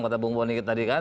kata bung boni tadi kan